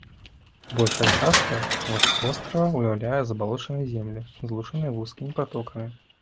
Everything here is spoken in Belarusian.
Большая частка вострава ўяўляе забалочаныя землі, злучаныя вузкімі пратокамі.